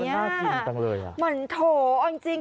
หมั่นโถเอาจริง